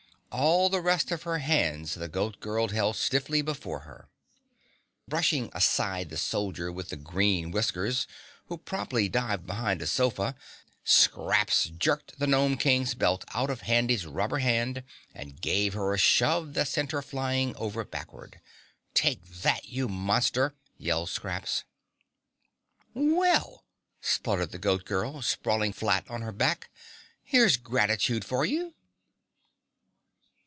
All the rest of her hands the Goat Girl held stiffly before her. Brushing aside the Soldier with the Green Whiskers, who promptly dived behind a sofa, Scraps jerked the Gnome King's belt out of Handy's rubber hand and gave her a shove that sent her flying over backwards. "Take that, you Monster!" yelled Scraps. "Well," sputtered the Goat Girl, sprawling flat on her back, "here's gratitude for you!"